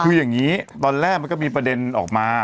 คืออย่างนี้ตอนแรกมันก็มีประเด็นออกมา